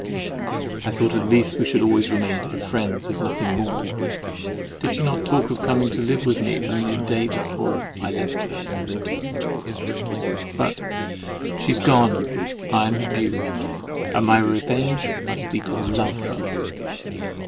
I thought at least we should always remain dear friends, if nothing more—did she not talk of coming to live with me only the day before I left her in the winter? But "she's gone, I am abused, and my revenge must be to LOVE her!"